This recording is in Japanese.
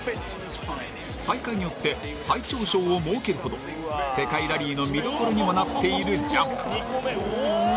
大会によって最長賞を設けるほど世界ラリーの見どころにもなっているジャンプ。